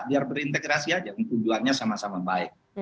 biar berintegrasi aja tujuannya sama sama baik